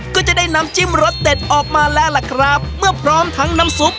ก็จะได้น้ำจิ้มรสเด็ดออกมาแล้วล่ะครับเมื่อพร้อมทั้งน้ำซุป